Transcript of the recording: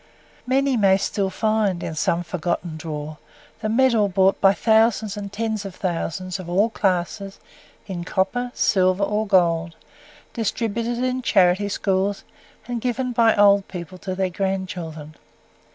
Many may still find, in some forgotten drawer, the medal bought by thousands and tens of thousands, of all classes, in copper, silver, or gold distributed in charity schools, and given by old people to their grandchildren.